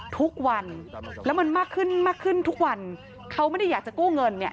ทุกวันแล้วมันมากขึ้นมากขึ้นทุกวันเขาไม่ได้อยากจะกู้เงินเนี่ย